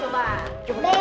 membaca aja aku sulit